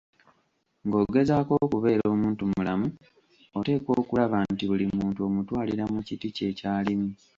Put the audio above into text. Ng'ogezaako okubeera omuntumulamu oteekwa okulaba nti, buli muntu omutwalira mu kiti kye ky'alimu.